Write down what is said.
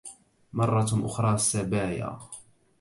مرة أُخرى سبايا!